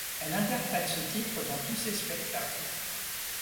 Elle interprète ce titre dans tous ses spectacles.